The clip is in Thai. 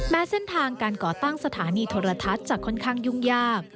เส้นทางการก่อตั้งสถานีโทรทัศน์จะค่อนข้างยุ่งยาก